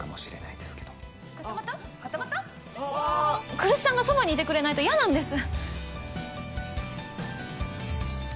来栖さんがそばにいてくれないと嫌なんです。